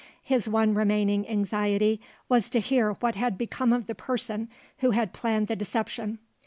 His one remaining anxiety was to hear what had become of the person who had planned the deception.